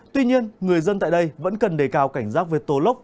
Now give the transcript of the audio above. tuy nhiên người dân tại đây vẫn cần đề cao cảnh giác về tố lốc